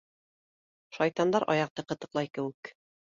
Шайтандар аяҡты ҡытыҡлай кеүек.